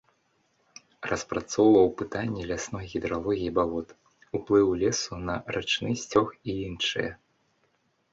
Распрацоўваў пытанні лясной гідралогіі балот, уплыў лесу на рачны сцёк і іншыя.